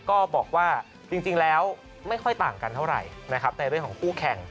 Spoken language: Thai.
ก็บอกว่าจริงแล้วไม่ค่อยต่างกันเท่าไหร่นะครับในเรื่องของคู่แข่ง